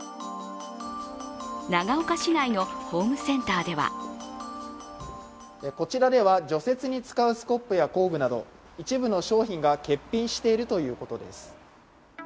長岡市内のホームセンターではこちらでは除雪に使うスコップや工具など一部の商品が欠品しているということです。